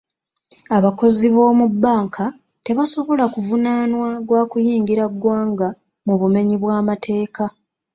Abakozi b'omu bbanka tebasobola kuvunaanwa gwa kuyingira ggwanga mu bumenyi bw'amateeka.